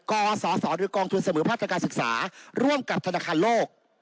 กศโดยกองทุนเสมือพัฒนาการศึกษาร่วมกับธนาคารโลก